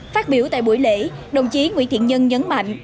phát biểu tại buổi lễ đồng chí nguyễn thiện nhân nhấn mạnh